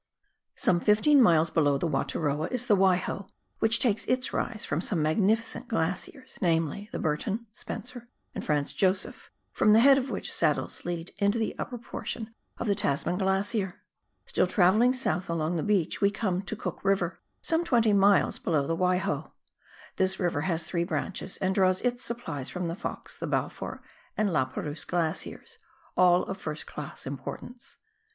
Some fifteen miles below the Wataroa is the Waiho, which takes its rise from some magnificent glaciers, namely, the Burton, Spencer, and Franz Josef, from the head of which saddles lead into the upper portion of the Tasman glacier. Still travelling south along the beach we come to Cook River, some twenty miles below the Waiho. This river has three branches, and draws its supplies from the Fox, the Balfour, and La Perouse glaciers, all of first class importance.